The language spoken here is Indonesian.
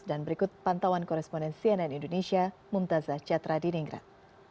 dan berikut pantauan koresponen cnn indonesia mumtazah catra di ninggrat